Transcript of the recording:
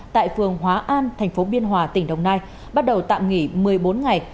tại phường hóa an thành phố biên hòa tỉnh đồng nai bắt đầu tạm nghỉ một mươi bốn ngày